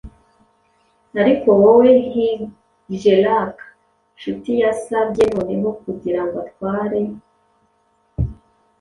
Ariko woweHigelac nshutiYasabye noneho kugirango atware